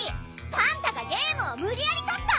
パンタがゲームをむりやりとった！